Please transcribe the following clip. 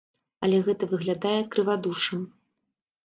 Але гэта выглядае крывадушшам.